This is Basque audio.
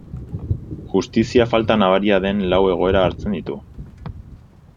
Justizia falta nabaria den lau egoera hartzen ditu.